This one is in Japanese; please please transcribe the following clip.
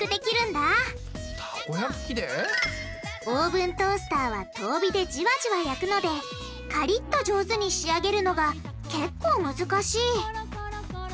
オーブントースターは遠火でじわじわ焼くのでカリッと上手に仕上げるのがけっこう難しい。